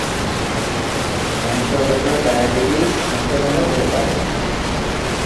বংশগত ডায়াবেটিস সন্তানেরও হতে পারে।